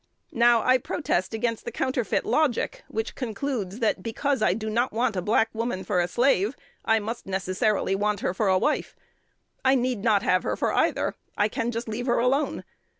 Now, I protest against the counterfeit logic which concludes, that, because I do not want a black woman for a slave, I must necessarily want her for a wife. I need not have her for either. I can just leave her alone.